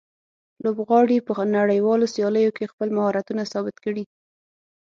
لوبغاړي په نړیوالو سیالیو کې خپل مهارتونه ثابت کړي.